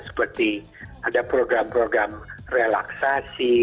seperti ada program program relaksasi